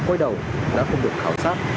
quay đầu đã không được khảo sát